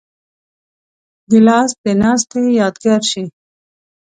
ګیلاس د ناستې یادګار شي.